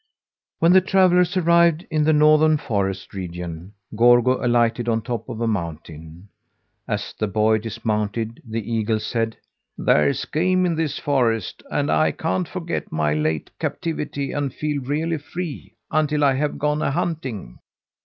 When the travellers arrived in the northern forest region, Gorgo alighted on top of a mountain. As the boy dismounted, the eagle said: "There's game in this forest, and I can't forget my late captivity and feel really free until I have gone a hunting.